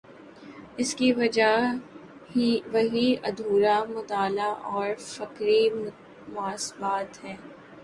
اس کی وجہ وہی ادھورا مطالعہ اور فکری تعصبات ہیں۔